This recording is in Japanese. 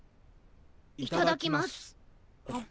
いただきます。